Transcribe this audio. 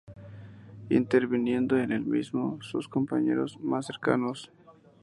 interviniendo en el mismo sus compañeros mas cercanos